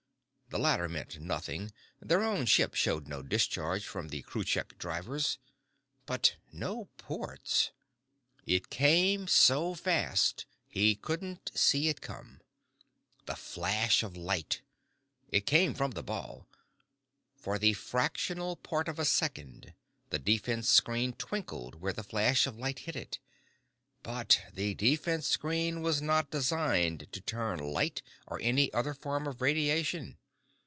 The latter meant nothing. Their own ship showed no discharge from the Kruchek drivers. But no ports It came so fast he couldn't see it come. The flash of light! It came from the ball. For the fractional part of a second, the defense screen twinkled where the flash of light hit it. But the defense screen was not designed to turn light or any other form of radiation.